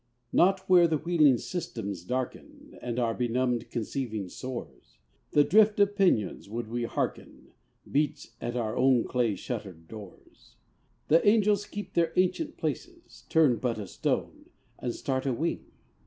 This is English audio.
Not where the wheeling systems darken, And our benumbed conceiving soars! The drift of pinions, would we hearken, Beats at our own clay shuttered doors. The angels keep their ancient places; Turn but a stone, and start a wing!